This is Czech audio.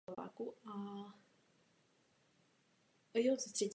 Bývají také náchylnější k nemocem a daří se jim lépe v teplejší vodě.